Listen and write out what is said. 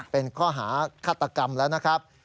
เป็นข้อหาฆาตกรรมแล้วนะครับ